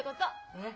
えっ？